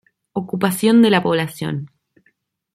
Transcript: Ocupación de la población